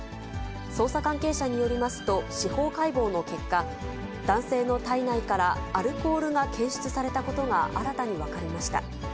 捜査関係者によりますと、司法解剖の結果、男性の体内からアルコールが検出されたことが新たに分かりました。